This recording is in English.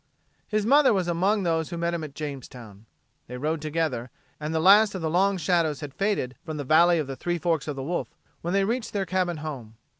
His mother was among those who met him at Jamestown. They rode together, and the last of the long shadows had faded from the "Valley of the Three Forks o' the Wolf" when they reached their cabin home.